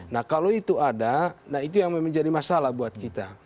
nah kalau itu ada nah itu yang menjadi masalah buat kita